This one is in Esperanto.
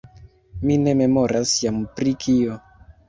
Mi ne memoras jam pri kio.